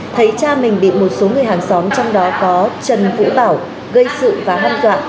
thấy cha mình bị một số người hàng xóm trong đó có trần vũ bảo gây sự và hâm dọa